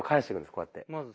こうやって。